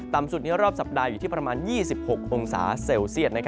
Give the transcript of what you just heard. สุดในรอบสัปดาห์อยู่ที่ประมาณ๒๖องศาเซลเซียต